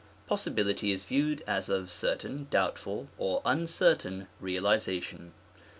Possibility is viewed as of certain, doubt ful, or uncertain realization.